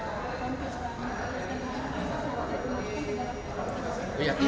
untuk mengatakan kegiatan